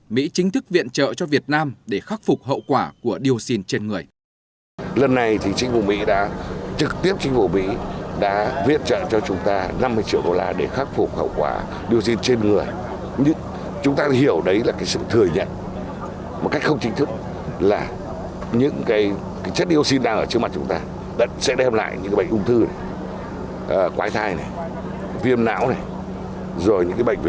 mỹ chính thức viện trợ cho việt nam để khắc phục hậu quả của dioxin trên người